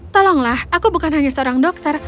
tolonglah aku bukan hanya seorang dokter